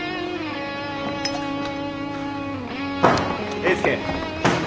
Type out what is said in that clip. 栄介。